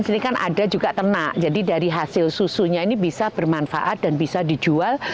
sini kan ada juga ternak jadi dari hasil susunya ini bisa bermanfaat dan bisa dijual